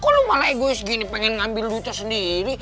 kok lo malah egois gini pengen ngambil duta sendiri